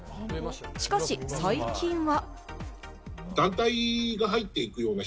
しかし最近は。